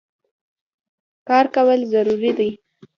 کار کول ضروري دی.